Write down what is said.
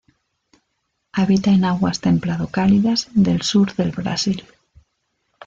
Habita en aguas templado-cálidas del sur del Brasil.